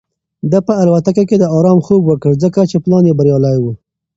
ده په الوتکه کې د ارام خوب وکړ ځکه چې پلان یې بریالی و.